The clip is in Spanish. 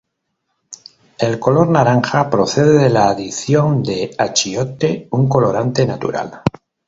El color naranja procede de la adición de achiote, un colorante natural.